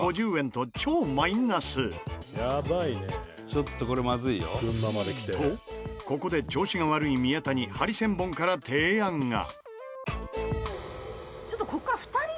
ちょっとこれまずいよ。とここで調子が悪い宮田にハリセンボンから提案が。